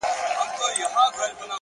دې جوارۍ کي يې دوه زړونه په يوه ايښي دي!